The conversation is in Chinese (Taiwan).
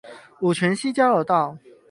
五權西交流道